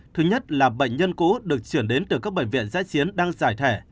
thứ nhất là bệnh nhân cũ được truyền đến từ các bệnh viện giá chiến đang giải thề